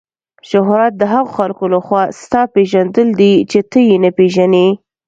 شهرت د هغو خلکو له خوا ستا پیژندل دي چې ته یې نه پیژنې.